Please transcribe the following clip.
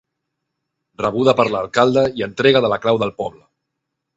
Rebuda per l'alcalde i entrega de la clau del poble.